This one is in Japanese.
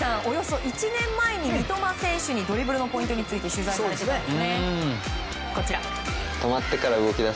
およそ１年前に三笘選手にドリブルのポイントについて取材されていたんですよね。